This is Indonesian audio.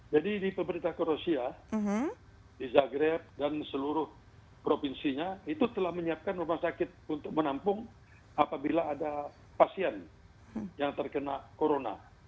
jadi di pemerintah kerosia di zagreb dan seluruh provinsinya itu telah menyiapkan rumah sakit untuk menampung apabila ada pasien yang terkena corona